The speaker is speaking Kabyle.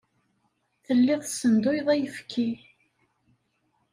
Telliḍ tessenduyeḍ ayefki.